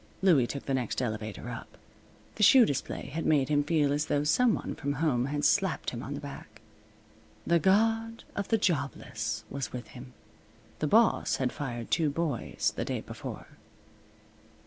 Louie took the next elevator up. The shoe display had made him feel as though some one from home had slapped him on the back. The God of the Jobless was with him. The boss had fired two boys the day before.